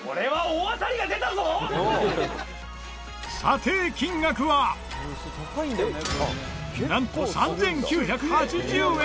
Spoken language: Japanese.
査定金額はなんと３９８０円！